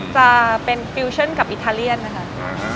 จะเป็นกับอิทาเลียนนะคะอ่า